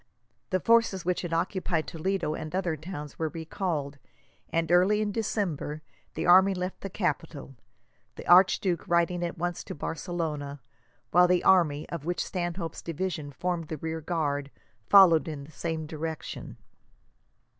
The forces which had occupied Toledo and other towns were recalled, and, early in December, the army left the capital; the archduke riding at once to Barcelona, while the army, of which Stanhope's division formed the rear guard, followed in the same direction.